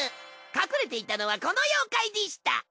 隠れていたのはこの妖怪でした。